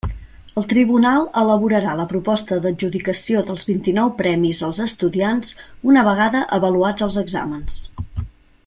El tribunal elaborarà la proposta d'adjudicació dels vint-i-nou premis als estudiants una vegada avaluats els exàmens.